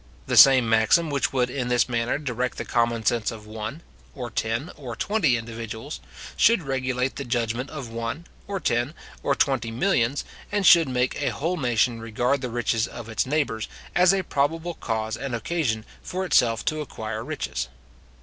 The same maxim which would in this manner direct the common sense of one, or ten, or twenty individuals, should regulate the judgment of one, or ten, or twenty millions, and should make a whole nation regard the riches of its neighbours, as a probable cause and occasion for itself to acquire riches.